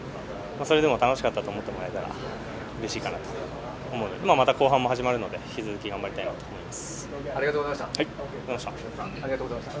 それでも楽しかったと思えてもらえたらうれしいなと思うのでまた後半も始まるので引き続き頑張りたいと思います。